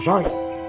ada apa wali kumsalam